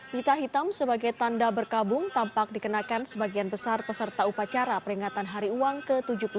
pita hitam sebagai tanda berkabung tampak dikenakan sebagian besar peserta upacara peringatan hari uang ke tujuh puluh dua